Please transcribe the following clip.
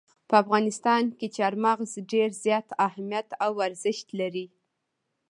په افغانستان کې چار مغز ډېر زیات اهمیت او ارزښت لري.